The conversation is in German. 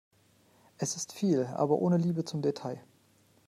Es ist viel, aber ohne Liebe zum Detail.